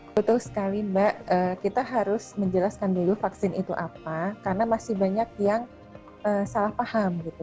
betul sekali mbak kita harus menjelaskan dulu vaksin itu apa karena masih banyak yang salah paham gitu